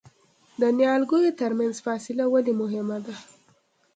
د نیالګیو ترمنځ فاصله ولې مهمه ده؟